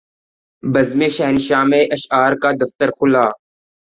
بزم شاہنشاہ میں اشعار کا دفتر کھلا